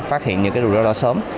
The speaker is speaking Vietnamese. phát hiện những rủi ro đó sớm